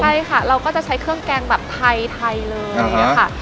ใช่ค่ะเราก็จะใช้เครื่องแกงแบบไทยเลยค่ะ